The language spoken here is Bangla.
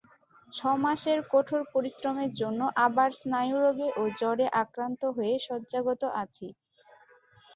ছ-মাসের কঠোর পরিশ্রমের জন্য আবার স্নায়ুরোগে ও জ্বরে আক্রান্ত হয়ে শয্যাগত আছি।